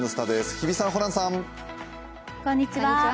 日比さん、ホランさん。